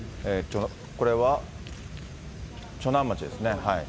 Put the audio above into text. これは、長南町ですね。